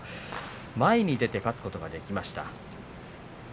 前に出て勝つことができました。